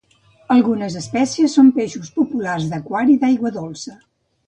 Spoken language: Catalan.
Algunes espècies són peixos populars d'aquari d'aigua dolça.